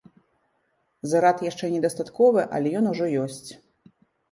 Зарад яшчэ не дастатковы, але ён ужо ёсць.